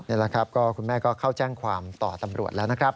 นี่แหละครับก็คุณแม่ก็เข้าแจ้งความต่อตำรวจแล้วนะครับ